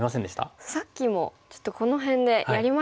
さっきもちょっとこの辺でやりましたかね。